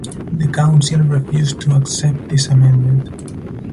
The council refused to accept this amendment.